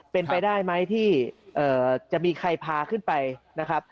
เป็นไปได้ไหมที่จะมีใครพาขึ้นไปนะครับ